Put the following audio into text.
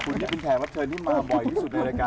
ขอบคุณที่เป็นแขนวัตเทิร์นที่มาบ่อยที่สุดในรายการข่าว